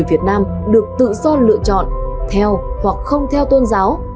việt nam được tự do lựa chọn theo hoặc không theo tôn giáo